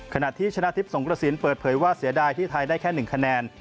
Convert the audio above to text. ขณะที่ชนะทิพย์สงกระสินเปิดเผยว่าเสียดายที่ไทยได้แค่๑คะแนน